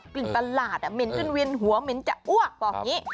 ประหลาดเหม็นจนเวียนหัวเหม็นจะอ้วกบอกอย่างนี้